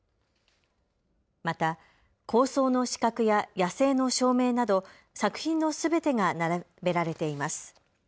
また高層の死角や野性の証明など作品のすべてが並べられています。